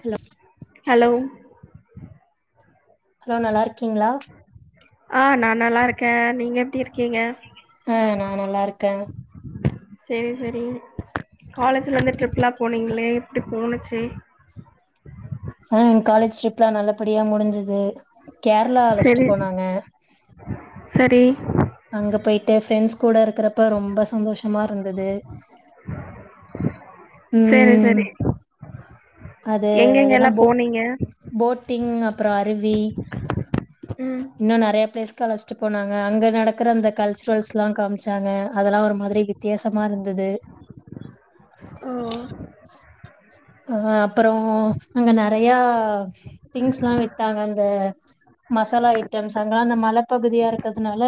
Hello hello hello நல்லா இருக்கீங்ளா ஆ நா நல்லா இருக்க, நீங்க எப்டி இருக்கீங்க ஆ நா நல்லாருக்க சரி சரி காலேஜ்லந்து ட்ரிப்லா போனீங்களே எப்டி போனுச்சு ஆ எங்க காலேஜ் ட்ரிப்லா நல்லபடியா முடிஞ்சிது கேரளா அழைச்சிட்டு செரி போனாங்க சரி அங்க போயிட்டு ப்ரெண்ட்ஸ் கூட இருக்கிறப்ப ரொம்ப சந்தோஷமா இருந்துது சேரி ம் சேரி அது எதுனா எங்கெங்கல்லா போ போனீங்க போட்டிங் அப்பறோ அருவி ம் இன்னு நறைய பிளேஸ்க்கு அழைச்சிட்டு போனாங்க அங்க நடக்கிற அந்த கல்ச்சுரல்ஸ்லா காமிச்சாங்க அதெல்லா ஒரு மாதிரி வித்தியாசமா இருந்தது ஓ அ அப்பறோ அங்க நறைய திங்ஸ்லா வித்தாங்க அந்த மசாலா ஐட்டம்ஸ் அங்கல்லா அந்த மலைப்பகுதியா இருக்கிறதுனால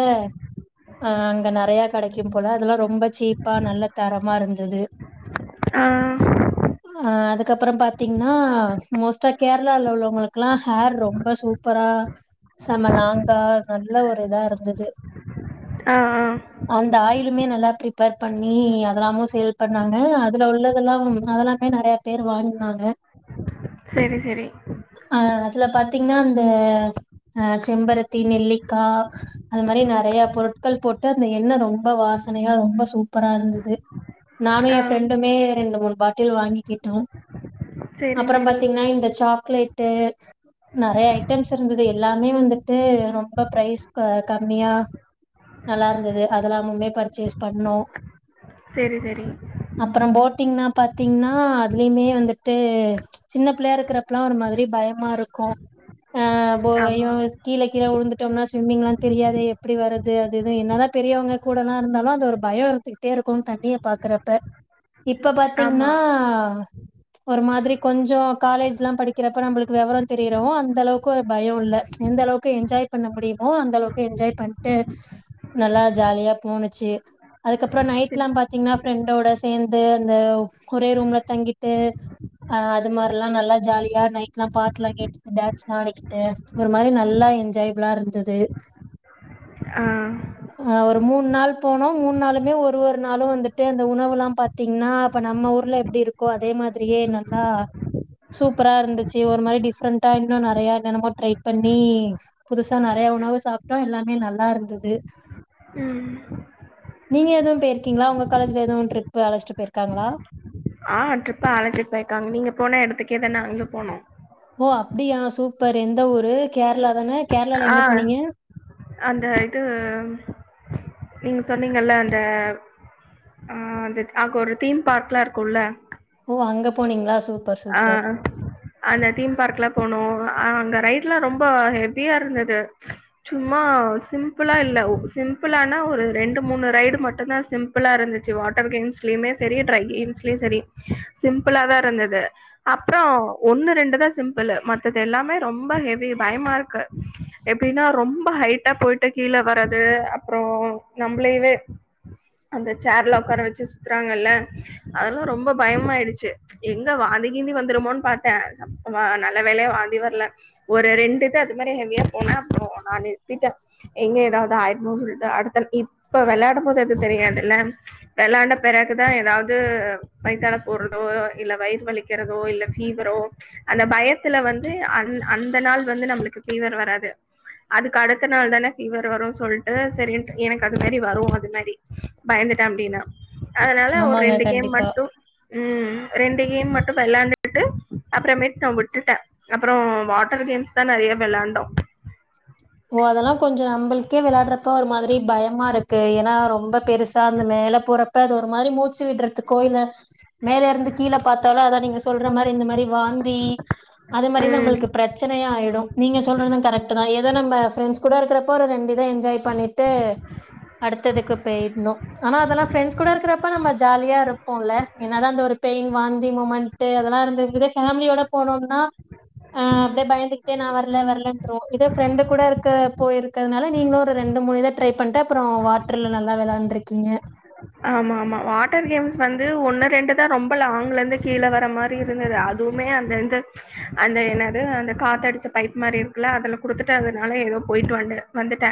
ஆ அங்க நறைய கடைக்கும்போல அதெல்லா ரொம்ப சீப்பா நல்ல தரமா இருந்துது ஆ அ அதுக்கப்பறோ பாத்தீங்னா மோஸ்ட்டா கேரளால உள்ளவங்களுக்குலா ஹேர் ரொம்ப சூப்பரா செம லாங்கா நல்ல ஒரு இதா இருந்துது ஆ ஆ அந்த ஆயிலுமே நல்லா ப்ரிப்பேர் பண்ணி அதெல்லாமு சேல் பண்ணாங்க, அதுல உள்ளதெல்லா அதெல்லா மே நறைய பேர் வாங்கனாங்க செரி செரி அ அதுல பாத்தீங்னா அந்த அ செம்பருத்தி நெல்லிக்கா அது மாரி நறைய பொருட்கள் போட்டு அந்த எண்ணெ ரொம்ப வாசனையா ரொம்ப சூப்பரா இருந்துது நானு ஆ எ ப்ரெண்டுமே ரெண்டு மூனு பாட் டில் வாங்கிக்கிட்டோ செரி அப்பற செரி பாத்தீங்னா இந்த சாக்லேட்டு நெறைய ஐட்டம்ஸ் இருந்தது எல்லாமே வந்துட்டு ரொம்ப ப்ரைஸ் அ கம்மியா நல்லா இருந்தது அதெல்லாமுமே பர்ச்சேஸ் பண்ணோ செரி செரி அப்பறோ போட்டிங்னா பத் த்தீங்னா அதுலயுமே வந்துட்டு சின்ன பிள்ளையா இருக்கிறப்பலா ஒரு மாதிரி பயமா இருக்கு ஆ போ ஆமா ஐயோ கீழ கீழ வுழுந்துட்டோம்னா ஸ்விம்மிங்லா தெரியாதே எப்டி வர்றது அது இது என்னதா பெரியவங்க கூடலா இருந்தாலு அது ஒரு பயோ இருந்துக்கிட்டே இருக்கு தண்ணிய பாக்குறப்ப இப்ப த்தீங்னா ஆமா ஒரு மாதிரி கொஞ்சோ காலேஜ்லா படிக்கிறப்ப நம்மளுக்கு வெவரம் தெரியிறவு அந்த அளவுக்கு ஒரு பயோ இல்ல எந்த அளவுக்கு எஞ்ஜாய் பண்ண முடியுமோ அந்த அளவுக்கு எஞ்ஜாய் பண்ட்டு நல்லா ஜாலியா போணுச்சு அதுக்கப்றோ நைட்லா சரி. பாத்தீங்கன்னா ஃப்ரெண்டோட சேந்து அந்த ஒரே ரூம்ல தங்கிட்டு அ அது மாரிலா நல்லா ஜாலியா நைட்லா பாட்டுலா கேட்டுட்டு டான்ஸ்லா ஆடிக்கிட்டு ஒரு மாரி நல்லா என்ஜாய்பில்லா இருந்துது ஆ ஆ ஒரு மூணு நாள் போனோ மூணு நாளுமே ஒரு ஒரு நாளு வந்துட்டு அந்த உணவுல்லா பாத்தீங்ன்னா இப்ப நம்ம ஊர்ல எப்டி இருக்கோ அதே மாதிரியே நல்லா சூப்பரா இருந்துச்சு ஒரு மாரி டிஃப்ரெண்டா இன்னும் நெறைய என்னனமோ ட்ரை பண்ணி புதுசா நறைய உணவு சாப்ட்டோ எல்லாமே நல்லா இருந்தது ம் நீங்க எதுவு பேயிருக்கீங்களா உங்க காலேஜ்ல எதுவும் ட்ரிப் அழைச்சிட்டு போயிருக்காங்களா ஆ ட்ரிப் அழசிட்டு போயிருக்காங்க நீங்க போன எடத்துக்கே தா நாங்களும் போனோ ஓ அப்டியா சூப்பர் எந்த ஊரு கேரளா தான கேரளால ஆ எங்க போனீங்க அந்த இது நீங்க சொன்னீங்கல்ல அந்த அ அது அங்க ஒரு தீம் பார்க்லா இருக்குல்ல ஓ அங்க போனீங்களா சூப் அ அந்த தீம் பார்க்லா போனோ அங்க ரைட்லா ரொம்ப ஹெவியா இருந்தது சும்மா சிம்பிளா இல்ல சிம்பிளானா ஒரு ரெண்டு மூணு ரைடு மட்டுந்தா சிம் சிம்ப்ளா இருந்துச்சு வாட்டர் கேம்ஸ்லயுமே சரி ட்ரை கேம்ஸ்லயும் சரி சிம்பிளா தா இருந்தது அப்பறோ ஒண்ணு ரெண்டு தா சிம்பிள் மத்ததெல்லாமே ரொம் ரொம்ப ஹெவி பயமா இருக்கு எப்டின்னா ரொம்ப ஹைட்டா போயிட்டு கீழ வரது அப்றோ நம்மளவே அந்த சேர்ல உட்கார வச்சு சுத்துறாங்கல்ல அதெல்லா ரொம்ப பயமாயிடுச்சு எங்க வாந்தி கீந்தி வந்துருமோன்னு பாத்தே சப்பமா நல்ல வேலையா வாந்தி வரல ஒரு ரெண்டுது அது மாரி ஹெவியா போனே அப்றோ நா நிறுத்திட்டே எங்க ஏதாவது ஆயிடமோ சொல்லிட்டு அடுத்த இப்ப விளையாடு போது எது தெரியாதுல்ல வெளாண்ட பிறகுதா ஏதாவது வைத்தாள போறதோ இல்ல வயிற் வலி வேறதோ இல்ல ஃபீவரோ அந்த பயத்துல வந்து அந் அந்த நாள் வந்து நமக்கு ஃபீவர் வராது அதுக்கு அடுத்த நாள்தான ஃபீவர் வரும்னு சொல்லிட்டு சரின்டு எனக்கு அது மாரி வரும் அது மாரி பயந்துட்டே அப்டின்னே அதனால ஒரு ஆமாங்க ரெண்டு கேம் கண்டிப்பா மட்டு ம் ரெண்டு கேம் மட் வெளாண்டுட்டு அப்புறமேட்டு நா விட்டுட்டே அப்பறோ வாட்டர் கேம்ஸ் தா நறைய வெளாண்டோ ஓ அதெல்லா கொஞ்சோ நம்மளுக்கே விளாடுறப்ப ஒரு மாதிரி பயமா இருக்கு ஏன்னா ரொம்ப பெருசா அந்த மேல போற இப்ப அது ஒரு மாரி மூச்சு விடுறதுகோ இல்ல மேல இருந்து கீழ பாத்தாலு அதா நீங்க சொல்ற மாரி இந்த மாரி வாந்தி அது மாரி இருந்தா ம் நம்பளுக்கு பிரச்சனையா ஆயிடு நீங்க சொல்றது கரெக்ட் தா ஏத நம்ப ஃபிரண்ட்ஸ் கூட இருக்கிறப்போ ஒரு ரெண்டு இத என்ஜாய் பண்ணிட்டு அடுத்ததுக்கு போயிடணும் ஆனா அதெல்லா ஃப்ரெண்ட்ஸ் கூட இருக்கறப்ப நம்ம ஜாலியா இருப்போல என்னதா அந்த ஒரு பெயின் வாந்தி மூமெண்ட்டு அதெல்லா இருந்துகுது ஃபேமிலியோட போனோம்னா அ அப்டியே பயந்துகிட்டே நா வரல வரலன்ருவோ இது ஃப்ரெண்டு கூட இருக்க போய்ருக்கறனால நீங்களும் ஒரு ரெண்டு மூணு இத ட்ரை பண்ணிட்டு அப்பறோ வாட்டர்ல நல்லா வெளாண்ருக்கிங்க ஆமா ஆமா வாட்டர் கேம்ஸ் வந்து ஒண்ணு ரெண்டு தா ரொம்ப லாங்ல இருந்து கீழ வர மா ப்ப இருந்தது அதுவுமே அந்த எந்த அந்த என்னது அந்த காத்தடுச்ச பைப் மாரி இருக்குல்ல அதுல குடுத்துட்டு அதனால ஏதோ போயிட்டு வண்டே வந்துட்டே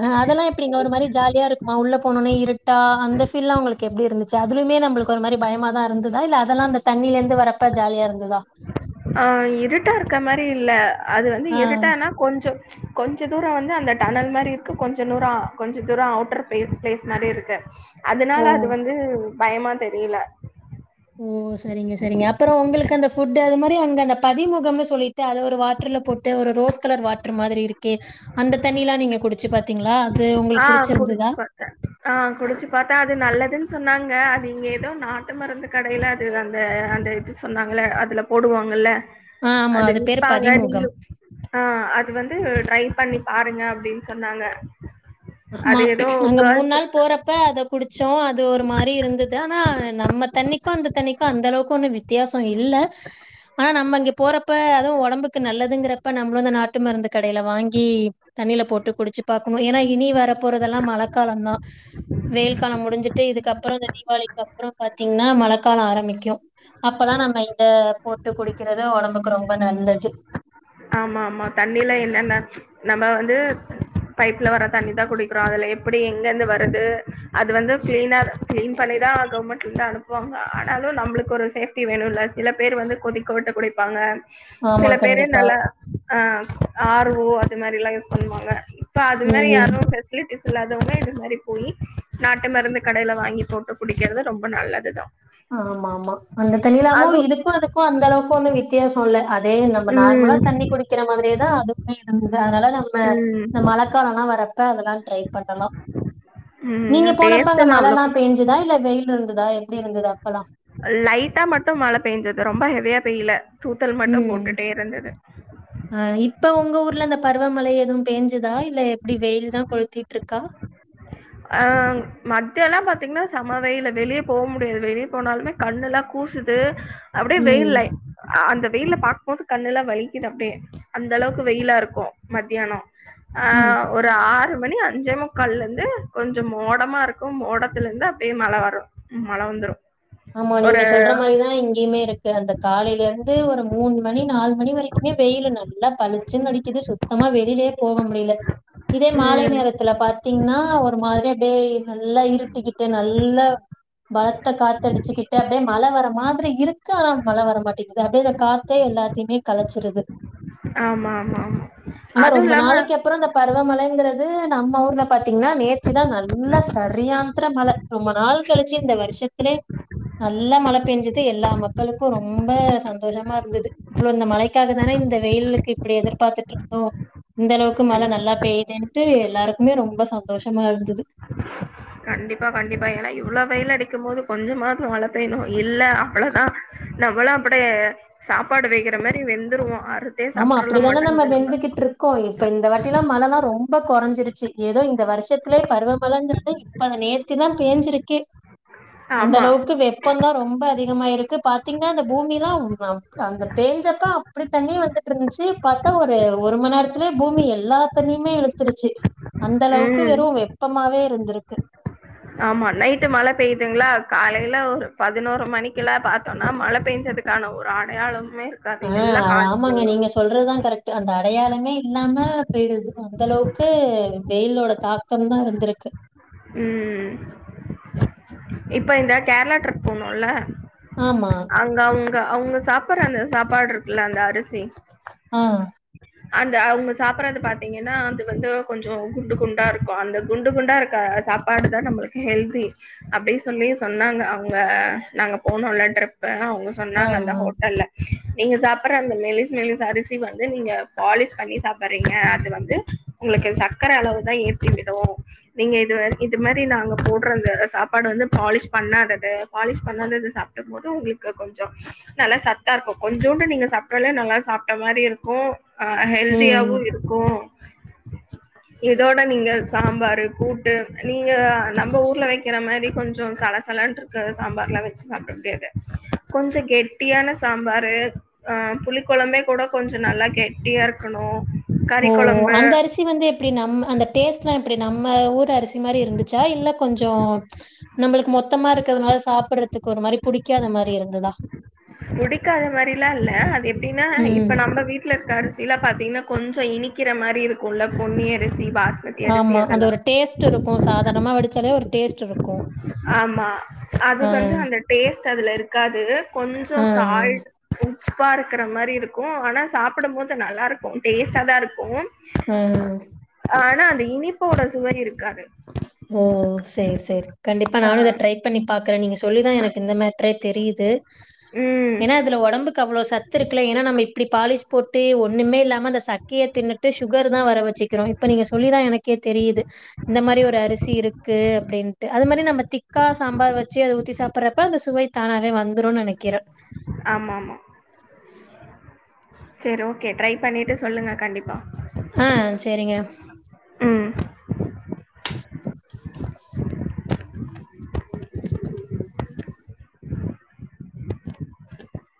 ஆ அதெல்லா எப்பிடிங்க ஒரு மாரி ஜாலியா இருக்குமா உள்ள போனனே இருட்டா அந்த ஃபீல்லா உங்களுக்கு கே எப்டி இருந்துச்சு அதுலயும்மே நம்மளுக்கு ஒரு மாரி பயமா தா இருந்துதா இல்ல அதெல்லா அந்த தண்ணில இருந்து வரப்ப ஜாலியா இருந்துதா ஆ இருட்டா இருக்க மாரி இல்ல அது வந்து ஆ இருட்டான்னா கொஞ்சொ கொஞ்ச தூரோ வந்து அந்த டனல் மாரி இருக்கு கொஞ்ச தூரோ கொஞ்சம் தூரோ அவுட்டர் பே பிளேஸ் மாரி இருக்கு ஓ அதனால அது வந்து பயமா தெரியல ஓ சரிங்க சரிங்க அப்பறோ உங்களுக்கு அந்த ஃபுட் அது மாரி அங்க அந்த பதிமுகம்ன்னு சொல்லி த அது ஒரு வாட்டர்ல போட்டு ஒரு ரோஸ் கலர் வாட்ரு மாதிரி இருக் ஓகே அந்த தண்ணிலா நீங்க குடிச்சு பாத்தீங்களா அது ஆ உங்களுக்கு குடிச்சு புடிச்சிருந்துதா பாத்தேன். குடிச்சு பாத்தா அது நல்லதுன்னு சொன்னாங்க அது இங்கே எதோ நாட்டு மருந்து கடைல அது அந்த அந்த இது சொன்னாங்கள அதுல போடுவாங்கல்ல ஆ ஆமா அது பேரு விப்பாங்க பதிமுகம் நீங்ளு ஆ அது வந்து ட்ரை பண்ணி பாருங்க அப்டின் சொன்னாங்க ஆமா அது ஏதோ அங்க மூன் கேர்ள்ஸ் நாள் போறப்ப அத குடிச்சோ அது ஒரு மாரி இருந்துதா ஆனா நம்ம தண்ணிக்கும் அந்த தண்ணிக்கும் அந்த அளவுக்கு ஒன்னும் வித்தியாசம் இல்ல ஆனா நம்ம அங்கே போறப்ப அதுவு உடம்புக்கு நல்லதுங்கிறப்ப நம்ம வந்து நாட்டு மருந்து கடைல வாங்கி தண்ணில போட்டு குடிச்சு பாக்கணும் ஏன்னா இனி வர போறதெல்லாம் மழைக்காலந்தான் வெயில் காலம் முடிஞ்சுட்டு இதுக்கப்புறம் இந்த தீபாவளி இதுக்கப்புறம் பாத்தீங்கன்னா மழைக்காலம் ஆரம்பிக்கும் அப்பல்லாம் நம்ம இந்த போட்டு குடிக்கிறது உடம்புக்கு ரொம்ப நல்லது ஆமா ஆமா தண்ணில என்னன்ன நம்ம வந்து பைப்ல வர தண்ணிதான் குடிக்கிறோம் அதுல எப்படி எங்கிருந்து வருது அது வந்து கிளீனா கிளீன் பண்ணிதான் கவர்மெண்ட்லருந்து அனுப்புவாங்க ஆனாலும் நம்மளுக்கு ஒரு சேஃப்டி வேணும்ல்ல சில பேர் வந்து கொதிக்க விட்ட குட வாங்க ஆமா கண்டிப்பா ஆ ஆர் ஓ அது மாதிரில்லாம் யூஸ் பண்ணுவாங்க இப்ப அது மாதிரி ம். யாரும் ஃபெசிலிட்டி இல்லாதவங்க இந்த மாதிரி போய் நாட்டு மருந்து கடையில வாங்கி போட்டு குடிக்கிறது ரொம்ப நல்லதுதான் ஆமாமா அந்த தண்ணி இல்லாமு இதுக்கும் அதுக்கும் அந்த அளவுக்கு வந்து வித் ய‌சொல்ல அதே நம்ம நார்மலா ம் தண்ணி குடிக்க வைக்கிற மாதிரியேதான் அதுவுமே இருந்தது அதனால நம்ம ம் இந்த மழைக்காலல்லாம் வரப்ப அதெல்லாம் ட்ரை பண்ணலாம் நீங்க ம் போனப்ப டேஸ்ட் அங்க எல்லா அவ்ளோக்கு மழைல்லாம் பெஞ்சுதா இல்ல வெயில் இருந்ததா எப்படி இருந்ததா அப்பல்லாம் லைட்டா மட்டும் மழை பெஞ்சது ரொம்ப ஹெவியா பெய்யல தூத்தல் மட்டும் போட்டுட்டே இருந்தது அ இப்ப உங்க ஊர்ல இந்த பருவமழை எதுவனம் பெஞ்சுதா இல்ல எப்படி வெயில் தான் கொளுத்திட்டுருக்கா அ மத்தியோல்லா பாத்தீங்கன்னா செம வெயிலு வெளிய போ முடியாது வெளிய போனாலுமே கண்ணெல்லாம் கூசுது அப்டியே ம் வெயில்ல அந்த வெயில பாக்கும்போது கண்ணுல்லாம் வலிக்குது அப்படியே அந்த அளவுக்கு வெயிலா இருக்கும் மத்தியானம் ஆ ம் ஒரு ஆறு மணி அஞ்சே முக்கால்லருந்து து கொஞ்சோ மோடமா இருக்கு மோடத்துல இருந்து அப்டியே மழை வரு மழை வந்துரு ஆமா நீங்க சொல்ற மாதிரிதான் இங்கேயுமே இருக்கு அந்த காலைலருந்து ஒரு மூணு மணி நாலு மணி வரைக்குமே வெயில் நல்லா பளிச்சுன்னு அடிக்குது சுள்ளு மொத்தமா வெளிலே போக முடில இதே மாலை ம். நேரத் இத்துல பாத்தீங்ன்னா ஒரு மாரி டே நல்லா இருட்டிக்கிட்டு நல்லா பலத்த காத்தடிச்சுக்கிட்டு அப்படியே மழை வர மாதிரி இருக்கு ஆனா மழை வர மாட்டேங்குது அப்படியே அத கா எல்லாத்தையுமே கலைச்சிருது ஆமாமாமா அதும் இல்லாம அப்றம் இந்த பருவமழைங்கிறது நம்ம ஊர்ல பாத்தீங்கன்னா நேத்துதான் நல்லா சரியான்ந்தர மழை ரொம்ப நாள் கழிச்சு இந்த வருஷத்துலே நல்லா மழ பெஞ்சுது எல்லா மக்களுக்கு ரொம்ப சந்தோஷமா இருந்தது இவ்ளோ இந்த மழைக்காக தான இந்த வெயிலுக்கு இப்டி எதிர்பார்த்துட்ருந்தோ இந்த அளவுக்கு மழ நல்லா பெயுதுன்ட்டு எல்லாருக்குமே ரொம்ப சந்தோஷமா இருந்தது கண்டிப்பா கண்டிப்பா ஏன்னா இவ்ளோ வெயில் அடிக்கும் போது கொஞ்சமாவது மழை பேயணும் இல்ல அவ்ளோதான் நம்மல்லாம் அப்டிய சாப்பாடு வேகற மாதிரி வெந்துருவோம் ஆப் ஆமா அப்டிதான நம்ம வெந்துகிட்ருக் இப்ப இந்த வாட்டிலாம் மழைனா ரொம்ப குறைஞ்சிருச்சு ஏதோ இந்த வருஷத்துலயே பருவமழைன்றாலே ப்ப அது நேத்திதான் பேஞ்சிருக்கே அந்த ஆமா. அளவுக்கு வெ இப்போந்தா ரொம்ப அதிகமா இருக்கு பாத்தீங்ன்னா அந்த பூமிலா ஆ ஆ அந்த பேஞ்சப்ப அப்டி தண்ணி வந்து ருந்துச்சு பாத்தா ஒரு ஒரு மணி நேரத்துலயே பூமி எல்லாத்தண்ணியுமே இழுத்துருச்சு அந்த அளவுக்கு ம். வெறு வெப்பமாவே இருந்திருக்கு ஆமா நைட்டு மழ பெயுதுங்களா காலையில ஒரு பதினோரு மணிக்கு லா பாத்தோனா மழ பெய்ஞ்சதுக்கு க்கான ஒரு அடையாளமே ஆ அது ஆமாங்க நீங்க சொ சொல்றதுதா கரெக்ட் அந்த அடையாளமே இல்லாம போயிடு அந்தளவுக்கு வெயிலோட தாக்க தம்தா இருந்திருக்கு உம் இப்ப இந்த கேரளா ட்ரிப் போனோல ஆமா அவுங்க அவுங்க சாப்படுற அந்த சாப்பாடு இருக்குல்ல அந்த அரிசி ஆ அந்த அவங்க சாப்படுறது பாத்தீங்கன்னா அது வந்து கொஞ்ச குண்டு குண்டா இருக்கும் அந்த குண்டு குண்டா இருக் க்க சாப்பாடுதா நம்மளுக்கு ஹெல்தி அப்டி சொல்லி சொன்னாங்க அவுங்க நாங்க போனோலா ட்ரிப் அவுங்க சொ ஆ, சொன்னாங்க அந்த ஆ. ஹோட்டல்ல நீங்க சாப்பற அந்த மெலீஸ் மெலீஸ் அரிசி வந்து நீங்க பாலிஷ் பண்ணி சாப்பிடுறீங்க அது வந்து உங்களுக்கு சக்கர அளவுதா ஏத்தி விடு நீங்க இது இது மாரி நாங்க போடுறத சாப்பாடு வந்து பாலிஷ் பண்ணாதது பாலிஷ் பண்ணாதது சாப் டும்போது உங்களுக்கு கொஞ்சு நல்ல சத்தா இருக்கு கொஞ்சூண்டு நீங்க சாப்டலே நல்ல சாப்பிட்ட மாரி இருக்கு ஆ ம் ஹெல்தியாவு இருக்கு இதோட நீங்க சாம்பாரு கூட்டு நீங்க நம்ப ஊர்ல வெக்கிற மாரி கொஞ்சு சலசலனு இருக் கா சாம்பார்லா வெச்சு சாப்பிட முடியாது கொஞ்சு கெட்டியான சாம்பாரு ஆ புளிக்கொழம்பே கூட கொஞ்சு நல்லா கெட்டியா இருக்கணு ஓ அந்த அரிசி அரிசி வந்து எப்டி நம் அந்த டேஸ்ட் எல்லா எப்டி நம்ம ஊர் அரிசி மாரி இருந்துச்சா இல்ல கொஞ்சோ ம்ச் நம்மளுக்கு மொத்தமா இருக்கிறதுனால சாப்பிடறதுக்கு ஒரு மாரி புடிக்காத மாரி இருந்ததா புடிக்காத மாரிலா இல்ல அது எப்டின்னா ம் இப்ப நம்ம வீட்டு ட்ல இருக்கிற அரிசிலா பாத்தீங்கன்னா கொஞ்சு இனிக்கிற மாரி இருக்குல்ல பொண்ணி அரி சி பாஸமதி அரிசி அதலா ட்டு இருக்கு சாதாரணமா வடிச்சாலே ஒரு டேஸ்ட் இருக்கு ஆமா அது ஆ வந்து அந்த டேஸ்ட் அதுல இருக்காது கொஞ்சோ ஆ சால்ட் உப்பா இருக்கிற மாரி இருக்கு ஆனா சாப்பிட போது நல்லா இருக்கு டேஸ்ட தா இருக்கு ஆ ஆனா அந்த இனிப்போட சுவை இருக்காது ஓ சேரி சேரி கண்டிப்பா ஆ. நானு இத ட்ரை ரை பண்ணி பாக்குற நீங்க சொல்லிதா எனக்கு இந்த மேட்டரே தெரியுது ம். ஏன்னா இதுல ஒடம்புக்கு கு அவ்வுளோ சத்து இருக்குல ஏன்னா நம்ம இப்படி பாலிஷ் போட்டு ஒண்ணுமே இல்லாம அந்த சக்கைய தின்னுட்டு சுகர் தா வர வச்சுக்குரோ இப்ப நீங்க சொல்லிதா எனக்கே தெரியுது இந்த மாரி ஒரு அரிசி இருக்கு அப்படின்ட்டு அது மாரி நம்ம திக்கா சாம்பார் வச்சு அத ஊத்தி சாப்பிடுறப்ப அந்த சுவைத் தானாவே வந்துருன்னு நெனைக்கிற ஆமா ஆமா சேரி ஓக்கே ட்ரை பண்ணிட்டு சொல்லுங்க கண்டிப்பா ஆ சேரிங்க ம். [unintelligible]